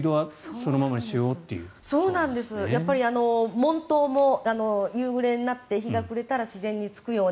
門灯も夕暮れになって日が暮れたら自然につくような。